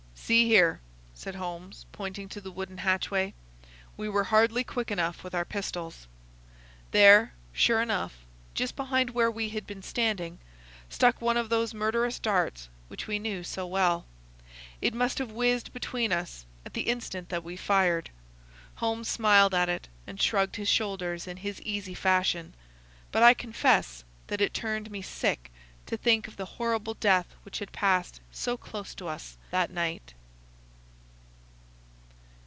"See here," said Holmes, pointing to the wooden hatchway. "We were hardly quick enough with our pistols." There, sure enough, just behind where we had been standing, stuck one of those murderous darts which we knew so well. It must have whizzed between us at the instant that we fired. Holmes smiled at it and shrugged his shoulders in his easy fashion, but I confess that it turned me sick to think of the horrible death which had passed so close to us that night.